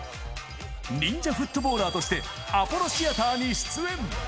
忍者フットボーラーとしてアポロシアターに出演。